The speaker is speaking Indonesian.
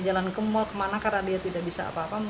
jalan ke mall kemana karena dia tidak bisa apa apa